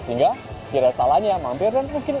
sehingga tidak ada salahnya mampir dan mungkin